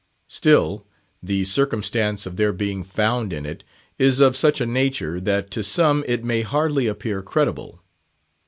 Still, the circumstance of their being found in it is of such a nature, that to some it may hardly appear credible.